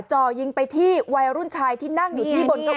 จ่อยิงไปที่วัยรุ่นชายที่นั่งอยู่ที่บนเก้าอี้หวาย